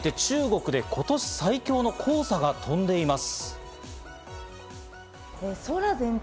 続いて中国で今年最強の黄砂が飛んでいます。